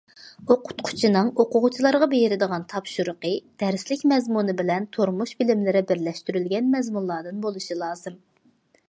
ئوقۇتقۇچىنىڭ ئوقۇغۇچىلارغا بېرىدىغان تاپشۇرۇقى دەرسلىك مەزمۇنى بىلەن تۇرمۇش بىلىملىرى بىرلەشتۈرۈلگەن مەزمۇنلاردىن بولۇشى لازىم.